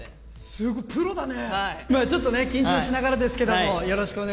すごい、プロだね。